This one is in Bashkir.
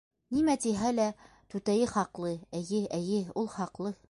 Нимә тиһә лә түтәйе хаҡлы, эйе, эйе, ул хаҡлы...